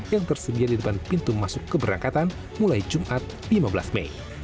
yang tersedia di depan pintu masuk keberangkatan mulai jumat lima belas mei